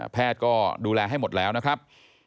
แพทย์ก็ดูแลให้หมดแล้วนะครับ